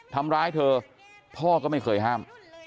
ทำร้ายเธอพ่อก็ไม่เคยห้าม